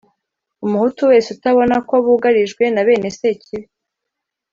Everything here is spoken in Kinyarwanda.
umuhutu wese utabona ko bugarijwe na bene Sekibi